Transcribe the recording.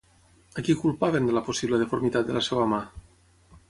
A qui culpaven de la possible deformitat de la seva mà?